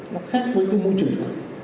nó khác với cái môi trường đó